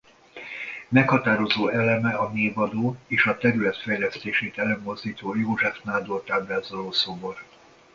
Meghatározó eleme a névadó és a terület fejlesztését előmozdító József nádort ábrázoló szobor.